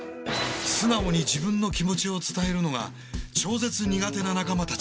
素直に自分の気持ちを伝えるのが超絶苦手な仲間たち。